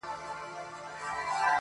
ستا د دوو هنديو سترگو صدقې ته,